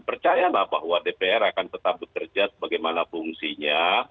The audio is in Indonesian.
percaya nggak bahwa dpr akan tetap bekerja sebagaimana fungsinya